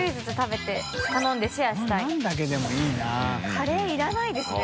カレーいらないですね